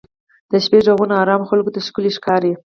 د شپې ږغونه ارامو خلکو ته ښکلي ښکاري.